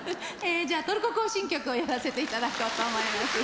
じゃあ「トルコ行進曲」をやらせていただこうと思います。